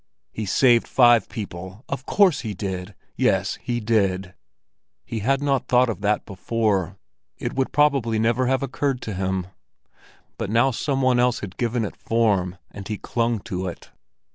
"He saved five people—of course he did—yes, he did!" He had not thought of that before; it would probably never have occurred to him. But now some one else had given it form, and he clung to it.